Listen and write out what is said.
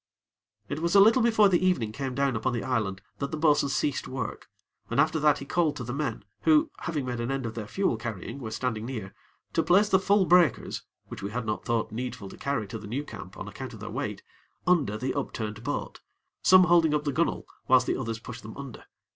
It was a little before the evening came down upon the island, that the bo'sun ceased work; and, after that, he called to the men, who, having made an end of their fuel carrying, were standing near, to place the full breakers which we had not thought needful to carry to the new camp on account of their weight under the upturned boat, some holding up the gunnel whilst the others pushed them under.